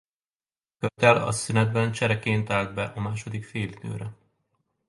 Kördell a szünetben csereként állt be a második félidőre.